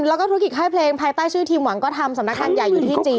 แล้วก็ธุรกิจค่ายเพลงภายใต้ชื่อทีมหวังก็ทำสำนักงานใหญ่อยู่ที่จีน